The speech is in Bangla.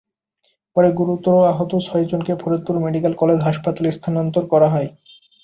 পরে গুরুতর আহত ছয়জনকে ফরিদপুর মেডিকেল কলেজ হাসপাতালে স্থানান্তর করা হয়।